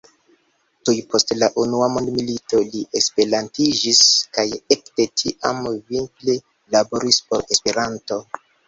Tuj post la unua mondmilito li esperantiĝis, kaj ekde tiam vigle laboris por Esperanto.